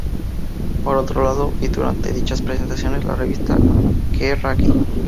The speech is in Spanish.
Por otro lado y durante dichas presentaciones, la revista "Kerrang!